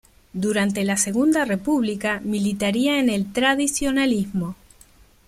Durante la Segunda República militaría en el tradicionalismo.